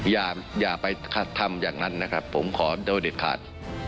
อย่าไปทำอย่างนั้นนะครับผมขอโดยเด็ดขาด